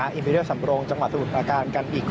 มาดูบรรจากาศมาดูความเคลื่อนไหวที่บริเวณหน้าสูตรการค้า